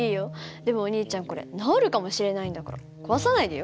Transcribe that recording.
でもお兄ちゃんこれ直るかもしれないんだから壊さないでよ。